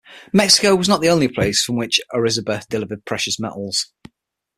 Mexico was not the only place from which "Orizaba" delivered precious metals.